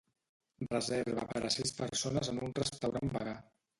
Reserva per a sis persones en un restaurant vegà.